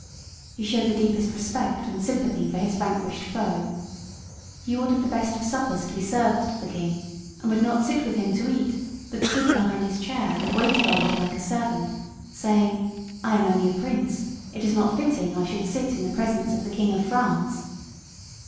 He showed the deepest respect and sympathy for his vanquished foe. He ordered the best of suppers to be served to the king, and would not sit with him to eat, but stood behind his chair and waited on him like a servant, saying "I am only a prince. It is not fitting I should sit in the presence of the king of France."